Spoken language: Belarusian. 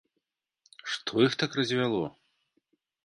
Што іх так развяло?